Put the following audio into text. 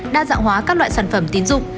đa dạng hóa các loại sản phẩm tín dụng